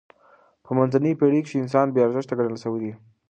به منځنیو پېړیو کښي انسان بې ارزښته ګڼل سوی دئ.